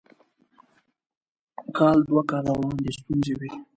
کال دوه کاله وړاندې ستونزې وې.